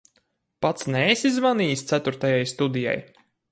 Pats neesi zvanījis ceturtajai studijai?